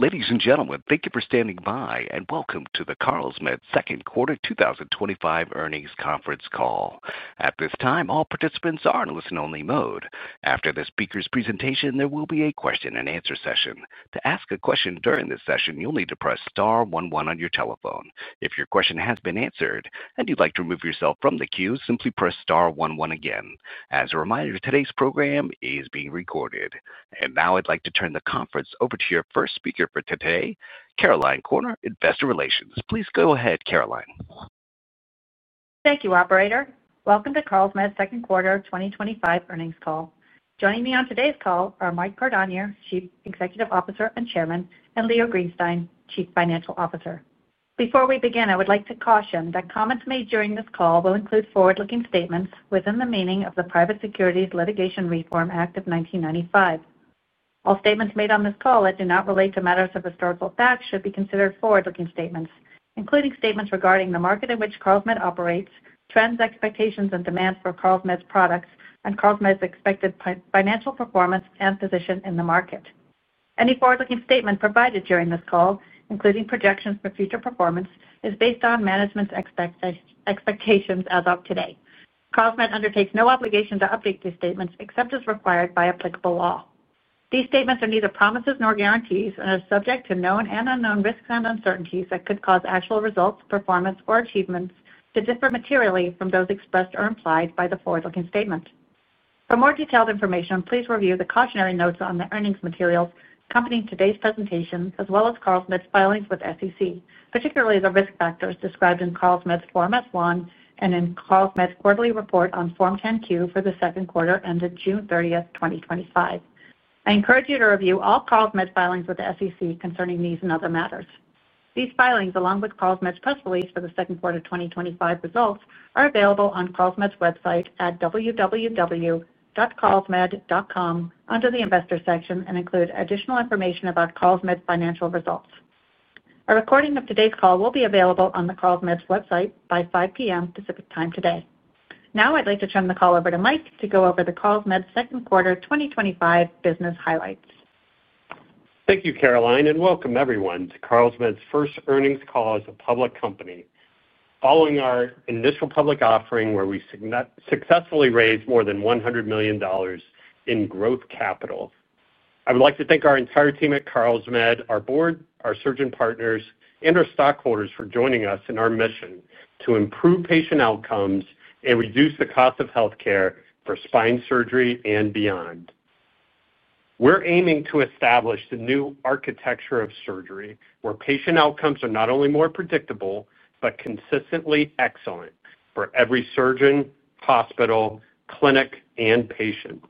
Ladies and gentlemen, thank you for standing by and welcome to the Carlsmed second quarter 2025 earnings conference call. At this time, all participants are in listen-only mode. After the speaker's presentation, there will be a question and answer session. To ask a question during this session, you'll need to press star one-one on your telephone. If your question has been answered and you'd like to remove yourself from the queue, simply press star one-one again. As a reminder, today's program is being recorded. Now I'd like to turn the conference over to your first speaker for today, Caroline Corner, Investor Relations. Please go ahead, Caroline. Thank you, operator. Welcome to Carlsmed's second quarter 2025 earnings call. Joining me on today's call are Mike Cordonnier, Chief Executive Officer and Chairman, and Leo Greenstein, Chief Financial Officer. Before we begin, I would like to caution that comments made during this call will include forward-looking statements within the meaning of the Private Securities Litigation Reform Act of 1995. All statements made on this call that do not relate to matters of historical fact should be considered forward-looking statements, including statements regarding the market in which Carlsmed operates, trends, expectations, and demand for Carlsmed's products, and Carlsmed's expected financial performance and position in the market. Any forward-looking statement provided during this call, including projections for future performance, is based on management's expectations as of today. Carlsmed undertakes no obligation to update these statements except as required by applicable law. These statements are neither promises nor guarantees and are subject to known and unknown risks and uncertainties that could cause actual results, performance, or achievements to differ materially from those expressed or implied by the forward-looking statement. For more detailed information, please review the cautionary notes on the earnings material accompanying today's presentation, as well as Carlsmed's filings with the SEC. Particularly the risk factors described in Carlsmed's Form S-1 and in Carlsmed's quarterly report on Form 10-Q for the second quarter ended June 30, 2025. I encourage you to review all Carlsmed's filings with the SEC concerning these and other matters. These filings, along with Carlsmed's press release for the second quarter 2025 results, are available on Carlsmed's website at www.carlsmed.com under the investors section and include additional information about Carlsmed's financial results. A recording of today's call will be available on Carlsmed's website by 5:00 P.M. Pacific Time today. Now I'd like to turn the call over to Mike to go over the Carlsmed second quarter 2025 business highlights. Thank you, Caroline, and welcome everyone to Carlsmed's first earnings call as a public company. Following our initial public offering where we successfully raised more than $100 million in growth capital, I would like to thank our entire team at Carlsmed, our board, our surgeon partners, and our stockholders for joining us in our mission to improve patient outcomes and reduce the cost of healthcare for spine surgery and beyond. We're aiming to establish the new architecture of surgery where patient outcomes are not only more predictable but consistently excellent for every surgeon, hospital, clinic, and patient.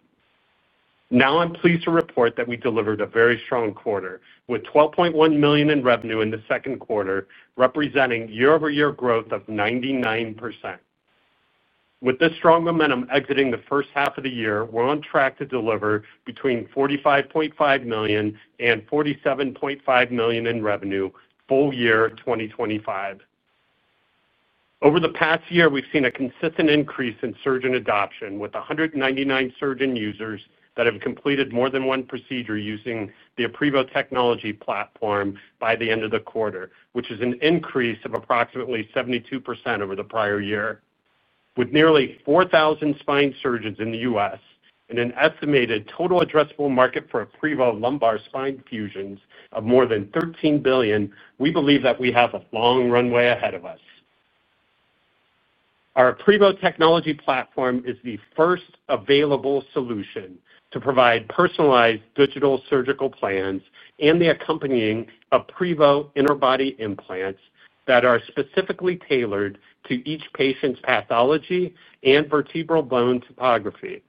Now I'm pleased to report that we delivered a very strong quarter with $12.1 million in revenue in the second quarter, representing year-over-year growth of 99%. With this strong momentum exiting the first half of the year, we're on track to deliver between $45.5 million and $47.5 million in revenue full year 2025. Over the past year, we've seen a consistent increase in surgeon adoption, with 199 surgeon users that have completed more than one procedure using the aprevo technology platform by the end of the quarter, which is an increase of approximately 72% over the prior year. With nearly 4,000 spine surgeons in the U.S. and an estimated total addressable market for aprevo lumbar spine fusions of more than $13 billion, we believe that we have a long runway ahead of us. Our aprevo technology platform is the first available solution to provide personalized digital surgical plans and the accompanying aprevo interbody implants that are specifically tailored to each patient's pathology and vertebral bone topography.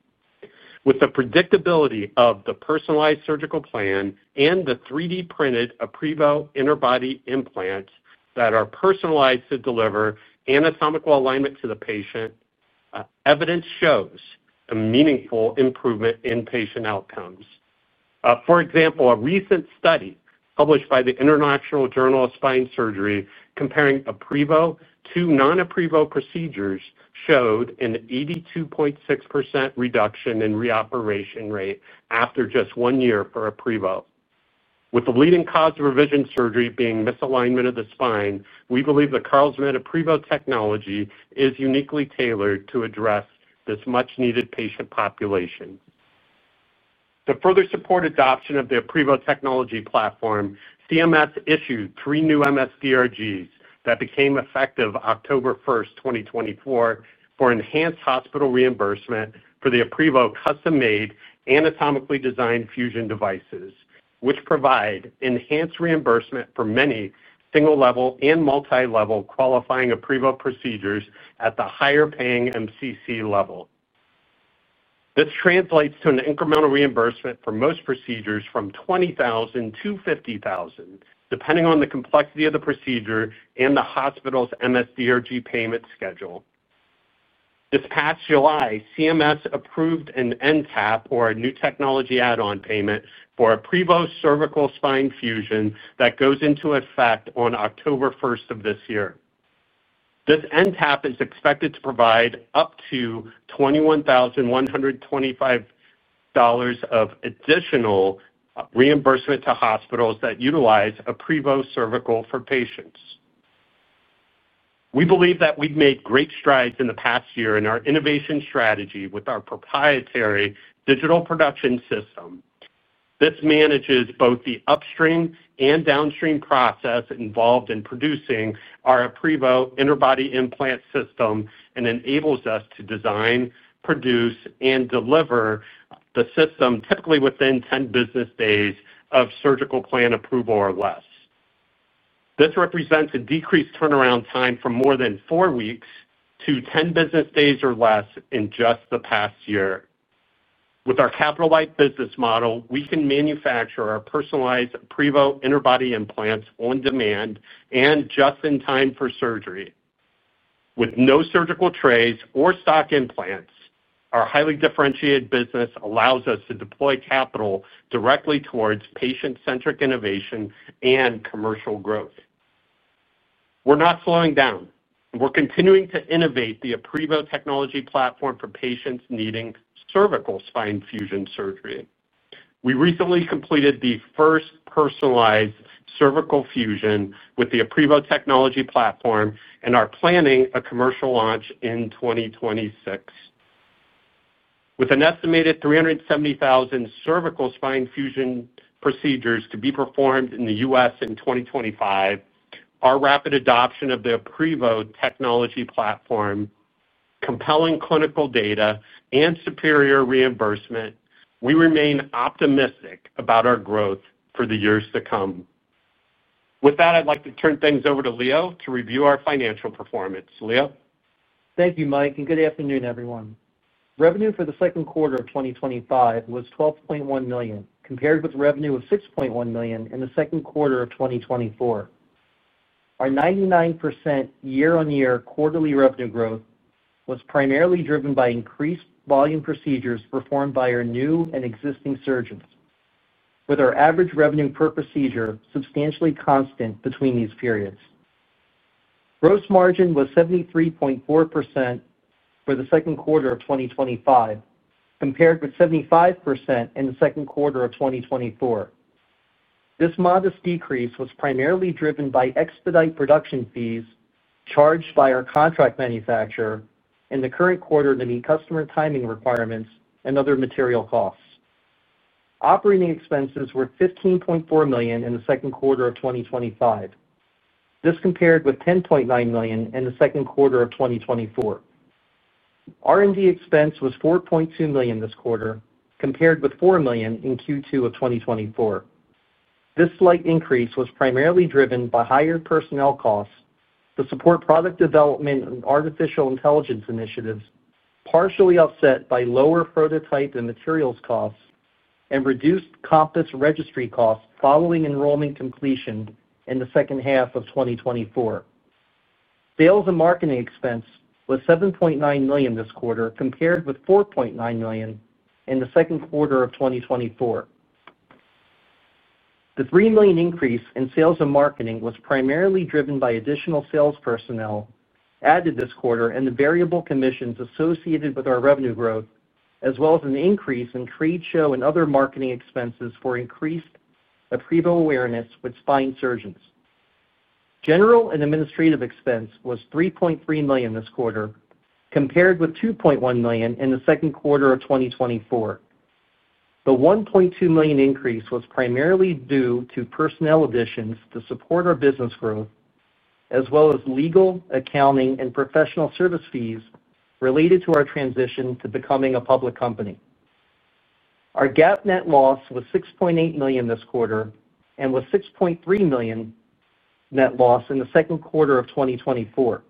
With the predictability of the personalized surgical plan and the 3D-printed aprevo interbody implants that are personalized to deliver anatomical alignment to the patient, evidence shows a meaningful improvement in patient outcomes. For example, a recent study published by the International Journal of Spine Surgery comparing aprevo to non-aprevo procedures showed an 82.6% reduction in reoperation rate after just one year for aprevo. With the leading cause of revision surgery being misalignment of the spine, we believe the Carlsmed aprevo technology is uniquely tailored to address this much-needed patient population. To further support adoption of the aprevo technology platform, CMS issued three new MSDRGs that became effective October 1, 2024, for enhanced hospital reimbursement for the aprevo custom-made anatomically designed fusion devices, which provide enhanced reimbursement for many single-level and multi-level qualifying aprevo procedures at the higher paying MCC level. This translates to an incremental reimbursement for most procedures from $20,000 to $50,000, depending on the complexity of the procedure and the hospital's MSDRG payment schedule. This past July, CMS approved an NTAP, or a new technology add-on payment, for aprevo cervical spine fusion that goes into effect on October 1 of this year. This NTAP is expected to provide up to $21,125 of additional reimbursement to hospitals that utilize aprevo cervical for patients. We believe that we've made great strides in the past year in our innovation strategy with our proprietary digital production system. This manages both the upstream and downstream process involved in producing our aprevo interbody implant system and enables us to design, produce, and deliver the system typically within 10 business days of surgical plan approval or less. This represents a decreased turnaround time from more than four weeks to 10 business days or less in just the past year. With our capital-light business model, we can manufacture our personalized aprevo interbody implants on demand and just in time for surgery. With no surgical trays or stock implants, our highly differentiated business allows us to deploy capital directly towards patient-centric innovation and commercial growth. We're not slowing down. We're continuing to innovate the aprevo technology platform for patients needing cervical spine fusion surgery. We recently completed the first personalized cervical fusion with the aprevo technology platform and are planning a commercial launch in 2026. With an estimated 370,000 cervical spine fusion procedures to be performed in the U.S. in 2025, our rapid adoption of the aprevo technology platform, compelling clinical data, and superior reimbursement, we remain optimistic about our growth for the years to come. With that, I'd like to turn things over to Leo to review our financial performance. Leo? Thank you, Mike, and good afternoon, everyone. Revenue for the second quarter of 2025 was $12.1 million, compared with revenue of $6.1 million in the second quarter of 2024. Our 99% year-on-year quarterly revenue growth was primarily driven by increased volume procedures performed by our new and existing surgeons, with our average revenue per procedure substantially constant between these periods. Gross margin was 73.4% for the second quarter of 2025, compared with 75% in the second quarter of 2024. This modest decrease was primarily driven by expedite production fees charged by our contract manufacturer in the current quarter to meet customer timing requirements and other material costs. Operating expenses were $15.4 million in the second quarter of 2025, compared with $10.9 million in the second quarter of 2024. R&D expense was $4.2 million this quarter, compared with $4 million in Q2 of 2024. This slight increase was primarily driven by higher personnel costs to support product development and artificial intelligence initiatives, partially offset by lower prototype and materials costs and reduced compass registry costs following enrollment completion in the second half of 2024. Sales and marketing expense was $7.9 million this quarter, compared with $4.9 million in the second quarter of 2024. The $3 million increase in sales and marketing was primarily driven by additional sales personnel added this quarter and the variable commissions associated with our revenue growth, as well as an increase in trade show and other marketing expenses for increased aprevo awareness with spine surgeons. General and administrative expense was $3.3 million this quarter, compared with $2.1 million in the second quarter of 2024. The $1.2 million increase was primarily due to personnel additions to support our business growth, as well as legal, accounting, and professional service fees related to our transition to becoming a public company. Our GAAP net loss was $6.8 million this quarter and was $6.3 million net loss in the second quarter of 2024.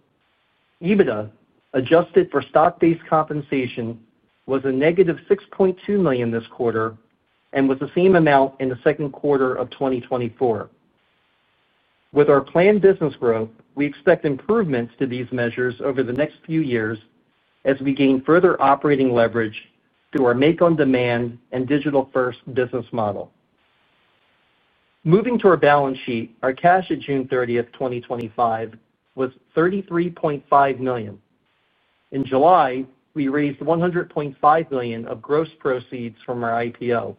EBITDA adjusted for stock-based compensation was a negative $6.2 million this quarter and was the same amount in the second quarter of 2024. With our planned business growth, we expect improvements to these measures over the next few years as we gain further operating leverage through our make-on-demand and digital-first business model. Moving to our balance sheet, our cash at June 30, 2025, was $33.5 million. In July, we raised $100.5 million of gross proceeds from our IPO.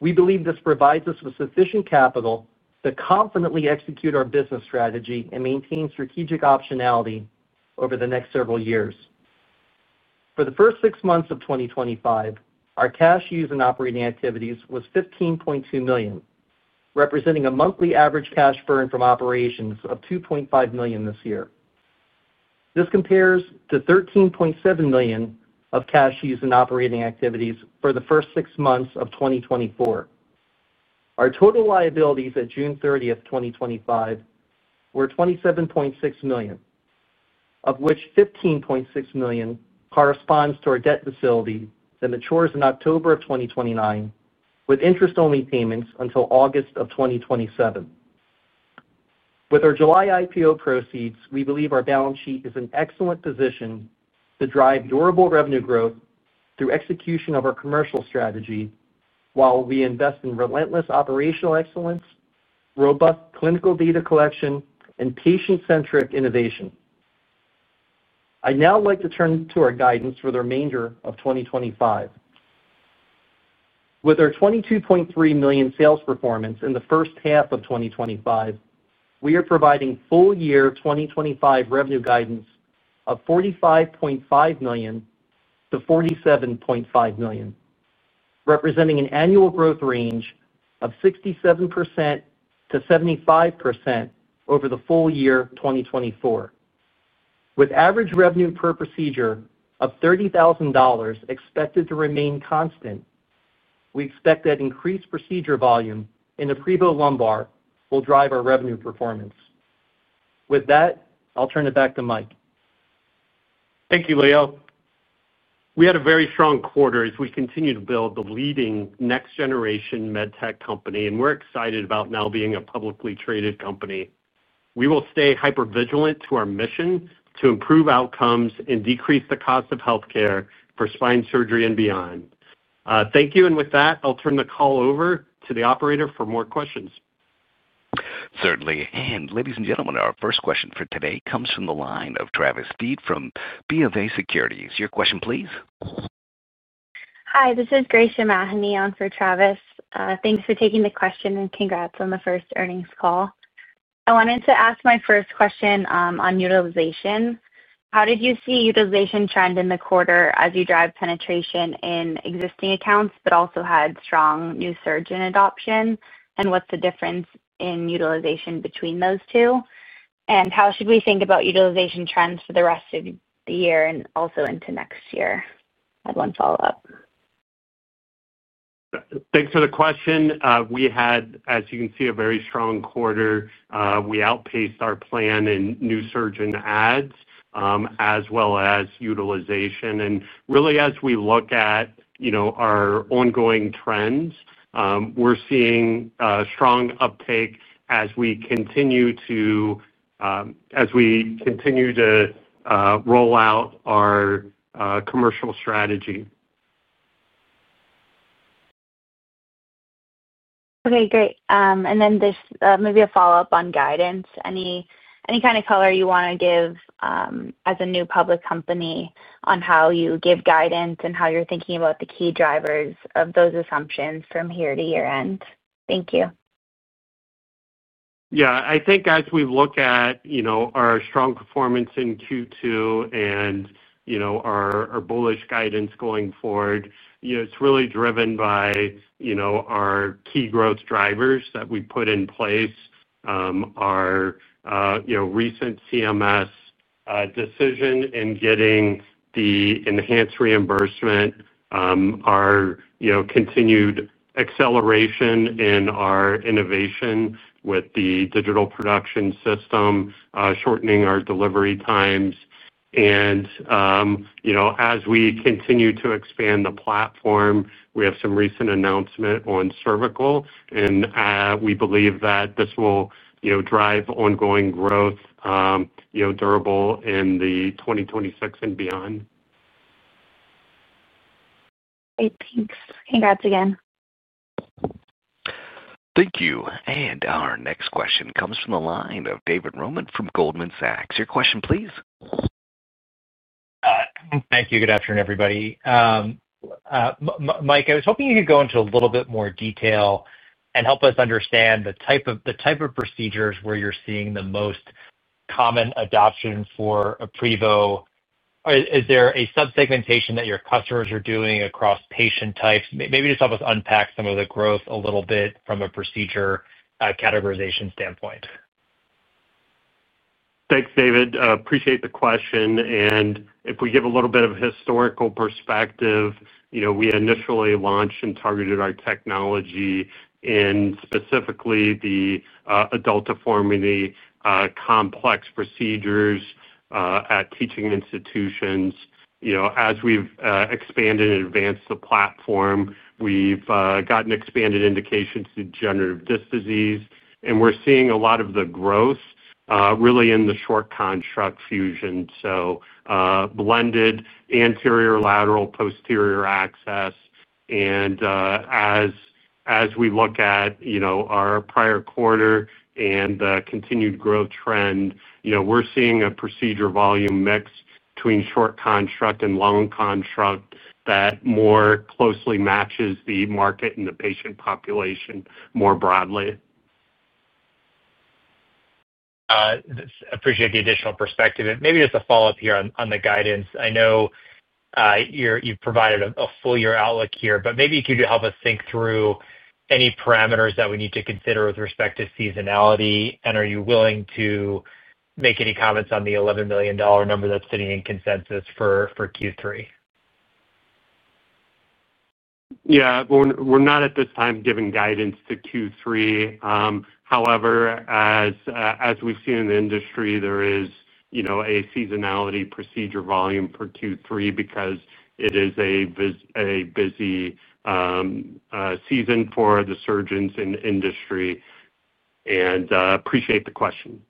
We believe this provides us with sufficient capital to confidently execute our business strategy and maintain strategic optionality over the next several years. For the first six months of 2025, our cash use in operating activities was $15.2 million, representing a monthly average cash burn from operations of $2.5 million this year. This compares to $13.7 million of cash use in operating activities for the first six months of 2024. Our total liabilities at June 30, 2025, were $27.6 million, of which $15.6 million corresponds to our debt facility that matures in October of 2029, with interest-only payments until August of 2027. With our July IPO proceeds, we believe our balance sheet is in excellent position to drive durable revenue growth through execution of our commercial strategy, while we invest in relentless operational excellence, robust clinical data collection, and patient-centric innovation. I'd now like to turn to our guidance for the remainder of 2025. With our $22.3 million sales performance in the first half of 2025, we are providing full-year 2025 revenue guidance of $45.5 million to $47.5 million, representing an annual growth range of 67% to 75% over the full year 2024. With average revenue per procedure of $30,000 expected to remain constant, we expect that increased procedure volume in aprevo lumbar will drive our revenue performance. With that, I'll turn it back to Mike. Thank you, Leo. We had a very strong quarter as we continue to build the leading next-generation med tech company, and we're excited about now being a publicly traded company. We will stay hyper-vigilant to our mission to improve outcomes and decrease the cost of healthcare for spine surgery and beyond. Thank you, and with that, I'll turn the call over to the operator for more questions. Certainly, ladies and gentlemen, our first question for today comes from the line of Travis Deed from B of A Securities. Your question, please. Hi, this is Gracia Mahoney on for Travis. Thanks for taking the question and congrats on the first earnings call. I wanted to ask my first question on utilization. How did you see utilization trend in the quarter as you drive penetration in existing accounts but also had strong new surge in adoption? What's the difference in utilization between those two? How should we think about utilization trends for the rest of the year and also into next year? I'll unfollow that. Thanks for the question. We had, as you can see, a very strong quarter. We outpaced our plan in new surgeon adds, as well as utilization. As we look at our ongoing trends, we're seeing a strong uptake as we continue to roll out our commercial strategy. Okay, great. Maybe a follow-up on guidance. Any kind of color you want to give as a new public company on how you give guidance and how you're thinking about the key drivers of those assumptions from here to year end? Thank you. I think as we look at our strong performance in Q2 and our bullish guidance going forward, it's really driven by our key growth drivers that we put in place. Our recent CMS decision in getting the enhanced reimbursement, our continued acceleration in our innovation with the digital production system, shortening our delivery times. As we continue to expand the platform, we have some recent announcement on cervical, and we believe that this will drive ongoing growth, durable in 2026 and beyond. Great, thanks. Congrats again. Thank you. Our next question comes from the line of David Roman from Goldman Sachs. Your question, please. Thank you. Good afternoon, everybody. Mike, I was hoping you could go into a little bit more detail and help us understand the type of procedures where you're seeing the most common adoption for aprevo. Is there a subsegmentation that your customers are doing across patient types? Maybe just help us unpack some of the growth a little bit from a procedure categorization standpoint. Thanks, David. Appreciate the question. If we give a little bit of a historical perspective, you know, we initially launched and targeted our technology in specifically the adult deformity complex procedures at teaching institutions. As we've expanded and advanced the platform, we've gotten expanded indications to degenerative disc disease. We're seeing a lot of the growth really in the short construct fusion, blended anterior-lateral, posterior access. As we look at our prior quarter and the continued growth trend, we're seeing a procedure volume mix between short construct and long construct that more closely matches the market and the patient population more broadly. Appreciate the additional perspective. Maybe just a follow-up here on the guidance. I know you've provided a full-year outlook here, but maybe you could help us think through any parameters that we need to consider with respect to seasonality. Are you willing to make any comments on the $11 million number that's sitting in consensus for Q3? Yeah, we're not at this time giving guidance to Q3. However, as we've seen in the industry, there is a seasonality procedure volume for Q3 because it is a busy season for the surgeons in the industry. I appreciate the question.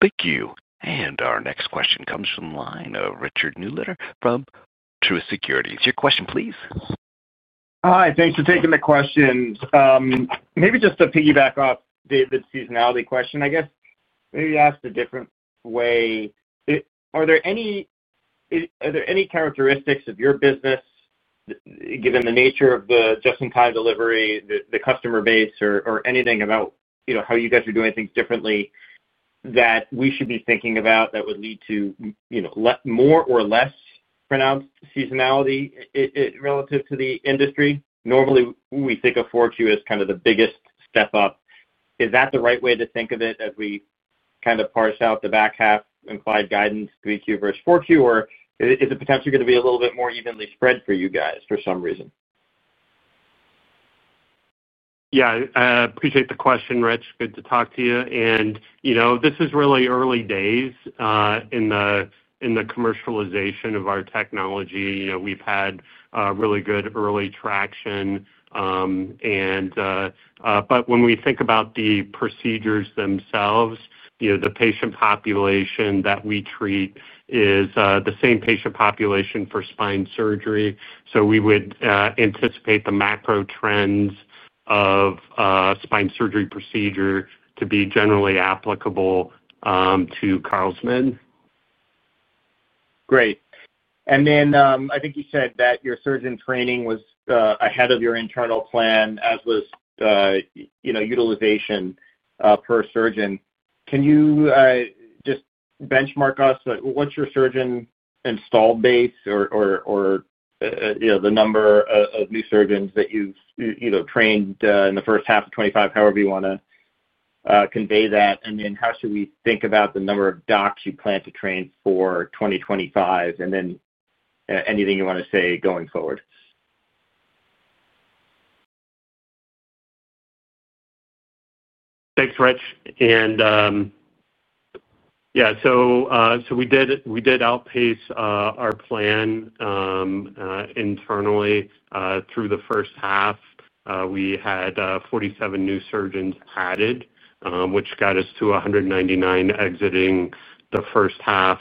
Thank you. Our next question comes from the line of Richard Newitter from Truist Securities. Your question, please. Hi, thanks for taking the question. Maybe just to piggyback off David's seasonality question, I guess maybe ask a different way. Are there any characteristics of your business, given the nature of the just-in-time delivery, the customer base, or anything about how you guys are doing things differently that we should be thinking about that would lead to more or less pronounced seasonality relative to the industry? Normally, we think of 4Q as kind of the biggest step up. Is that the right way to think of it as we kind of parse out the back half, implied guidance, 3Q versus 4Q, or is it potentially going to be a little bit more evenly spread for you guys for some reason? Yeah, I appreciate the question, Rich. Good to talk to you. This is really early days in the commercialization of our technology. We've had really good early traction. When we think about the procedures themselves, the patient population that we treat is the same patient population for spine surgery. We would anticipate the macro trends of spine surgery procedure to be generally applicable to Carlsmed. Great. I think you said that your surgeon training was ahead of your internal plan, as was the utilization per surgeon. Can you just benchmark us? What's your surgeon installed base or the number of new surgeons that you've either trained in the first half of 2025, however you want to convey that? How should we think about the number of docs you plan to train for 2025? Anything you want to say going forward. Thanks, Rich. We did outpace our plan internally through the first half. We had 47 new surgeons added, which got us to 199 exiting the first half.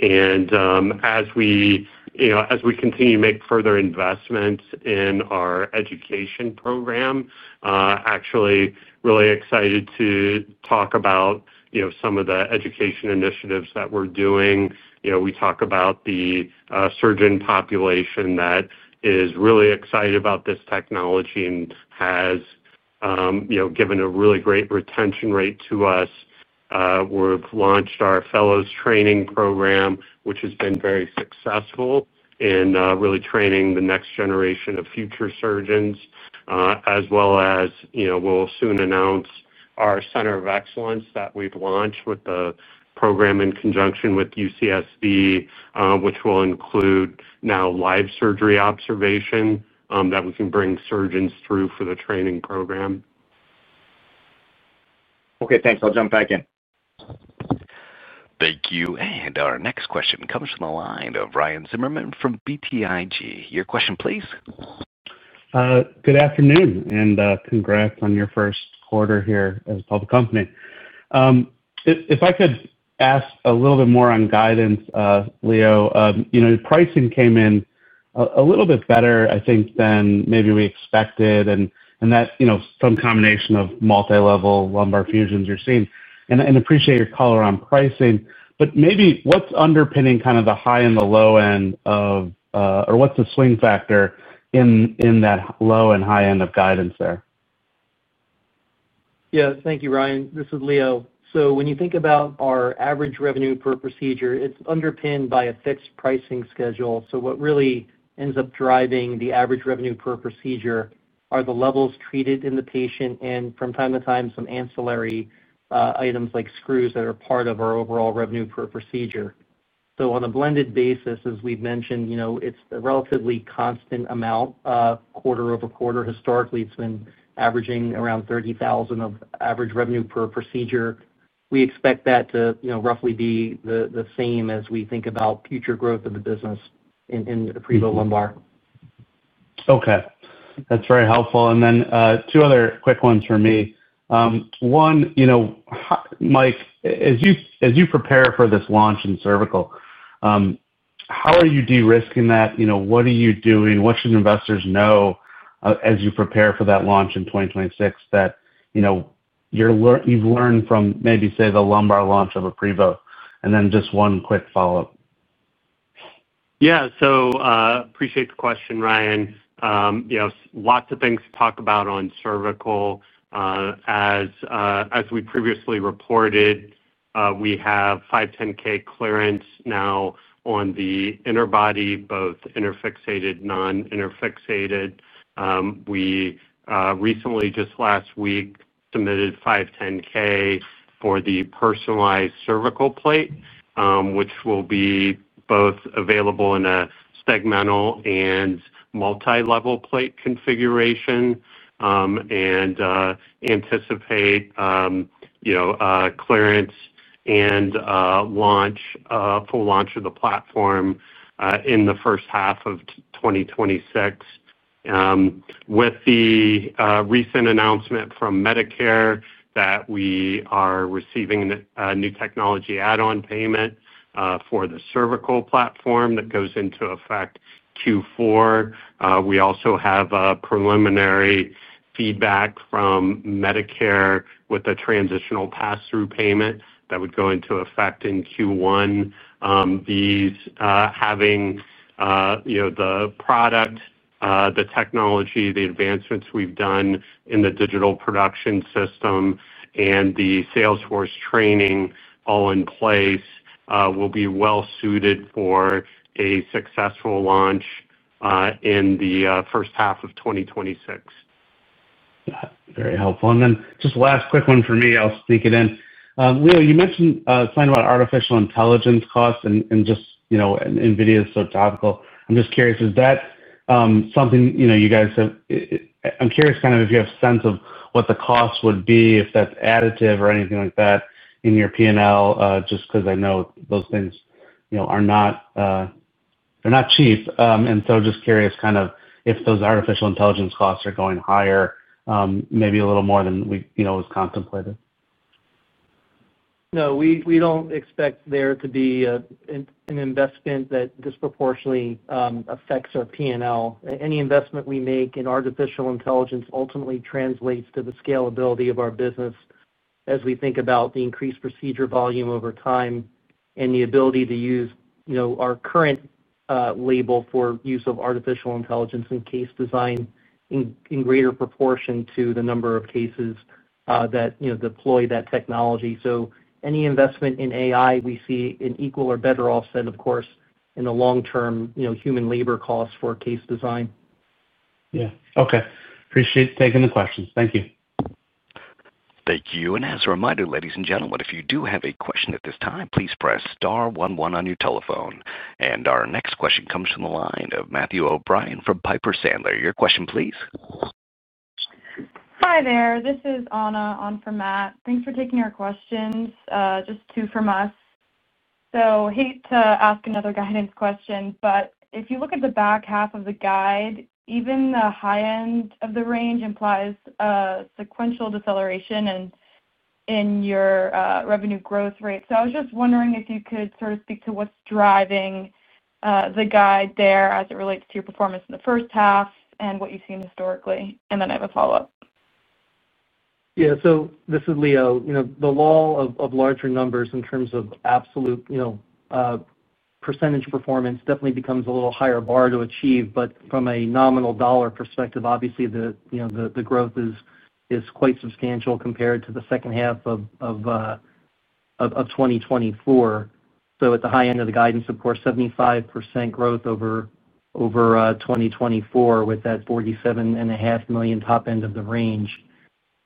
As we continue to make further investments in our education program, actually really excited to talk about some of the education initiatives that we're doing. We talk about the surgeon population that is really excited about this technology and has given a really great retention rate to us. We've launched our fellows training program, which has been very successful in really training the next generation of future surgeons, as well as we'll soon announce our center of excellence that we've launched with the program in conjunction with UCSD, which will include now live surgery observation that we can bring surgeons through for the training program. Okay, thanks. I'll jump back in. Thank you. Our next question comes from the line of Ryan Zimmerman from BTIG. Your question, please. Good afternoon, and congrats on your first quarter here as a public company. If I could ask a little bit more on guidance, Leo, you know, pricing came in a little bit better, I think, than maybe we expected, and that, you know, some combination of multi-level lumbar fusions you're seeing. I appreciate your color on pricing, but maybe what's underpinning kind of the high and the low end of, or what's the swing factor in that low and high end of guidance there? Yeah, thank you, Ryan. This is Leo. When you think about our average revenue per procedure, it's underpinned by a fixed pricing schedule. What really ends up driving the average revenue per procedure are the levels treated in the patient and from time to time some ancillary items like screws that are part of our overall revenue per procedure. On a blended basis, as we've mentioned, it's a relatively constant amount, quarter over quarter. Historically, it's been averaging around $30,000 of average revenue per procedure. We expect that to roughly be the same as we think about future growth of the business in aprevo lumbar. Okay. That's very helpful. Two other quick ones from me. Mike, as you prepare for this launch in cervical, how are you de-risking that? What are you doing? What should investors know as you prepare for that launch in 2026 that you've learned from maybe, say, the lumbar launch of aprevo? Just one quick follow-up. Yeah. Appreciate the question, Ryan. Lots of things to talk about on cervical. As we previously reported, we have 510(k) clearance now on the interbody, both interfixated and non-interfixated. We recently, just last week, submitted 510(k) for the personalized cervical plate, which will be available in both a segmental and multi-level plate configuration. We anticipate clearance and full launch of the platform in the first half of 2026. With the recent announcement from Medicare that we are receiving a New Technology Add-on Payment for the cervical platform that goes into effect Q4, we also have preliminary feedback from Medicare with a transitional pass-through payment that would go into effect in Q1. Having the product, the technology, the advancements we've done in the digital production system, and the Salesforce training all in place, we will be well suited for a successful launch in the first half of 2026. Yeah. Very helpful. Just the last quick one for me, I'll sneak it in. Leo, you mentioned something about artificial intelligence costs and NVIDIA is so topical. I'm just curious, is that something you guys have? I'm curious if you have a sense of what the cost would be, if that's additive or anything like that in your P&L, just because I know those things are not cheap. Just curious if those artificial intelligence costs are going higher, maybe a little more than we contemplated. No, we don't expect there to be an investment that disproportionately affects our P&L. Any investment we make in artificial intelligence ultimately translates to the scalability of our business as we think about the increased procedure volume over time and the ability to use our current label for use of artificial intelligence in case design in greater proportion to the number of cases that deploy that technology. Any investment in AI we see an equal or better offset, of course, in the long-term human labor costs for case design. Yeah, okay. Appreciate taking the questions. Thank you. Thank you. As a reminder, ladies and gentlemen, if you do have a question at this time, please press star one-one on your telephone. Our next question comes from the line of Matthew O'Brien from Piper Sandler. Your question, please. Hi there. This is Anna on for Matt. Thanks for taking our questions. Just two from us. I hate to ask another guidance question, but if you look at the back half of the guide, even the high end of the range implies a sequential deceleration in your revenue growth rate. I was just wondering if you could sort of speak to what's driving the guide there as it relates to your performance in the first half and what you've seen historically. I have a follow-up. Yeah. This is Leo. The law of larger numbers in terms of absolute percentage performance definitely becomes a little higher bar to achieve. From a nominal dollar perspective, obviously, the growth is quite substantial compared to the second half of 2024. At the high end of the guidance, of course, 75% growth over 2024 with that $47.5 million top end of the range.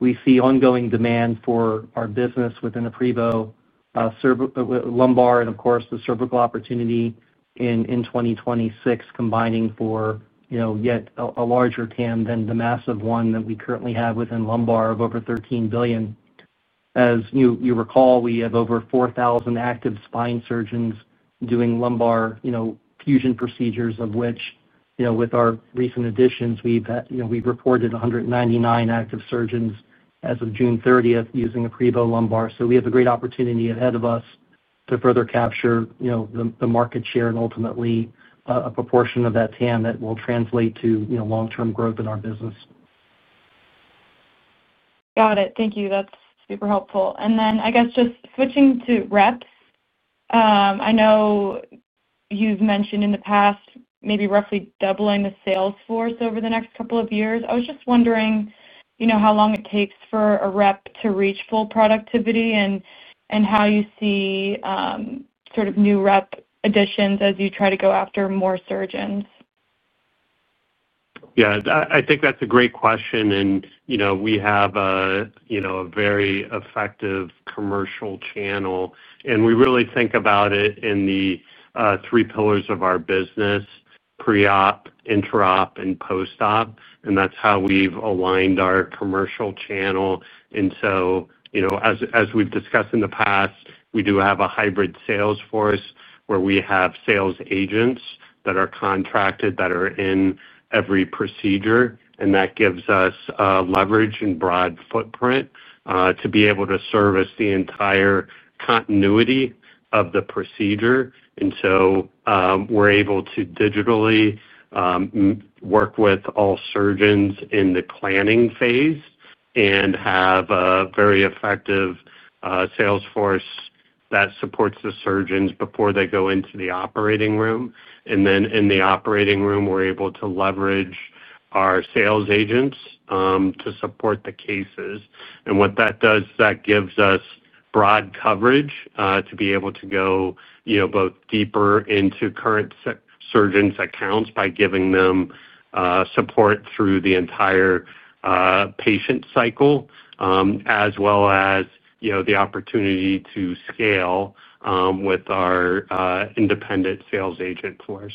We see ongoing demand for our business within aprevo lumbar and, of course, the cervical opportunity in 2026 combining for yet a larger TAM than the massive one that we currently have within lumbar of over $13 billion. As you recall, we have over 4,000 active spine surgeons doing lumbar fusion procedures, of which, with our recent additions, we've reported 199 active surgeons as of June 30th using aprevo lumbar. We have a great opportunity ahead of us to further capture the market share and ultimately a proportion of that TAM that will translate to long-term growth in our business. Got it. Thank you. That's super helpful. I guess just switching to reps, I know you've mentioned in the past maybe roughly doubling the sales force over the next couple of years. I was just wondering how long it takes for a rep to reach full productivity and how you see, sort of new rep additions as you try to go after more surgeons. Yeah, I think that's a great question. We have a very effective commercial channel. We really think about it in the three pillars of our business: pre-op, intra-op, and post-op. That's how we've aligned our commercial channel. As we've discussed in the past, we do have a hybrid sales force where we have sales agents that are contracted that are in every procedure. That gives us leverage and a broad footprint to be able to service the entire continuity of the procedure. We're able to digitally work with all surgeons in the planning phase and have a very effective sales force that supports the surgeons before they go into the operating room. In the operating room, we're able to leverage our sales agents to support the cases. What that does is give us broad coverage to be able to go both deeper into current surgeons' accounts by giving them support through the entire patient cycle, as well as the opportunity to scale with our independent sales agent force.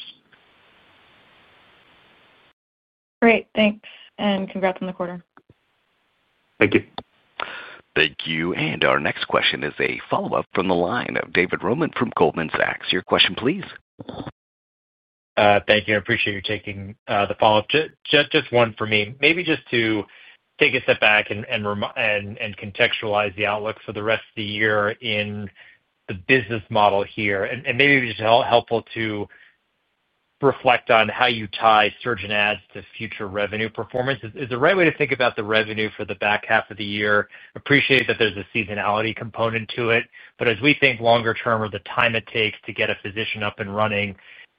Great. Thanks, and congrats on the quarter. Thank you. Thank you. Our next question is a follow-up from the line of David Roman from Goldman Sachs. Your question, please. Thank you. I appreciate you taking the follow-up. Just one for me. Maybe just to take a step back and contextualize the outlook for the rest of the year in the business model here. Maybe it's helpful to reflect on how you tie surgeon adds to future revenue performance. Is the right way to think about the revenue for the back half of the year? I appreciate that there's a seasonality component to it. As we think longer term or the time it takes to get a physician up and running,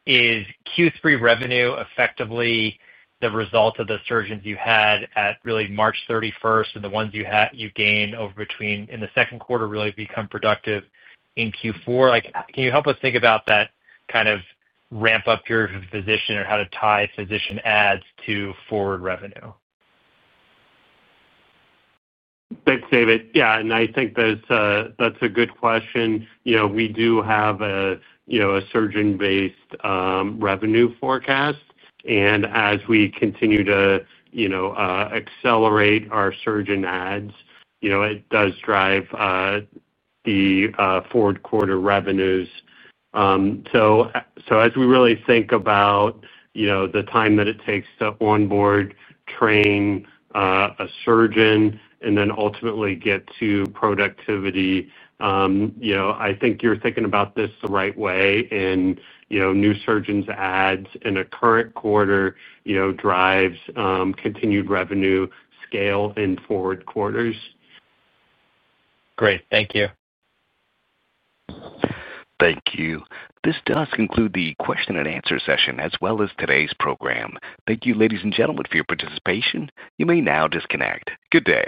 is Q3 revenue effectively the result of the surgeons you had at really March 31 and the ones you gain over between in the second quarter really become productive in Q4? Can you help us think about that kind of ramp-up period for physician or how to tie physician adds to forward revenue? Thanks, David. I think that's a good question. We do have a surgeon-based revenue forecast. As we continue to accelerate our surgeon adds, it does drive the forward quarter revenues. As we really think about the time that it takes to onboard, train a surgeon, and then ultimately get to productivity, I think you're thinking about this the right way. New surgeon adds in a current quarter drives continued revenue scale in forward quarters. Great. Thank you. Thank you. This does conclude the question and answer session, as well as today's program. Thank you, ladies and gentlemen, for your participation. You may now disconnect. Good day.